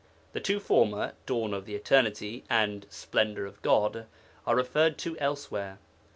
The two former 'Dawn of Eternity' and 'Splendour of God' are referred to elsewhere.